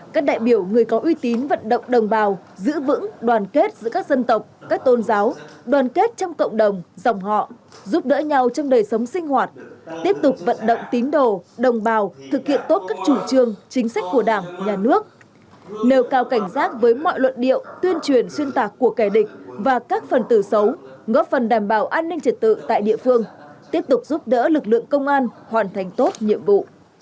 các đại biểu người có uy tín vận động đồng bào giữ vững đoàn kết giữa các dân tộc các tôn giáo đoàn kết trong cộng đồng dòng họ giúp đỡ nhau trong đời sống sinh hoạt tiếp tục vận động tín đồ đồng bào thực hiện tốt các chủ trương chính sách của đảng nhà nước nêu cao cảnh giác với mọi luận điệu tuyên truyền xuyên tạc của kẻ địch và các phần tử xấu góp phần đảm bảo an ninh trật tự tại địa phương tiếp tục giúp đỡ lực lượng công an hoàn thành tốt nhiệm vụ